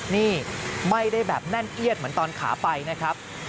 นี่ไม่ได้แบบแน่นเอียดเหมือนตอนขาไปนะครับ